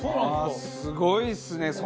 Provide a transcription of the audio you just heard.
すごいですね。